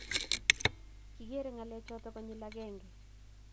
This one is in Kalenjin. Kigeere ngalechoto konyil agenge